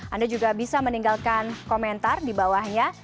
anda juga bisa meninggalkan komentar di bawahnya